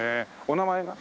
お名前は？